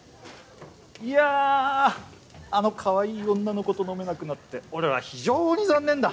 いやあのカワイイ女の子と飲めなくなって俺は非常に残念だ。